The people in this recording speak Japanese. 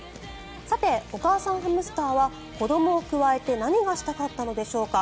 さて、お母さんハムスターは子どもをくわえて何がしたかったのでしょうか。